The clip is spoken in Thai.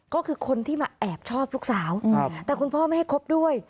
ก็คือคนที่มาแอบชอบลูกสาวแต่คุณพ่อไม่ให้คบด้วย